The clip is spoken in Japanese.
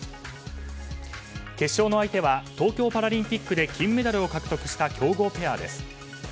決勝の相手は東京パラリンピックで金メダルを獲得した強豪ペアです。